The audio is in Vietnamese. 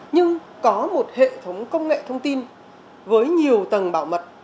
nhưng có một hệ thống công nghệ thông tin với nhiều tầng bảo mật